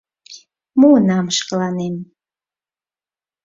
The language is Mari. Муынам шкаланем.